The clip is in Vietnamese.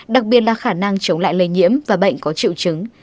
đặc biệt là khả năng chống lại lây nhiễm và bệnh có triệu chứng